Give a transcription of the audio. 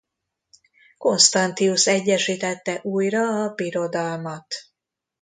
Constantius egyesítette újra a birodalmat.